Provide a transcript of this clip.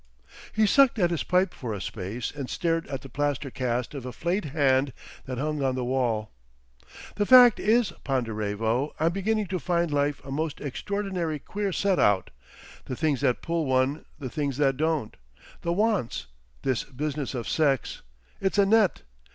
He sucked at his pipe for a space and stared at the plaster cast of a flayed hand that hung on the wall. "The fact is, Ponderevo, I'm beginning to find life a most extraordinary queer set out; the things that pull one, the things that don't. The wants—This business of sex. It's a net.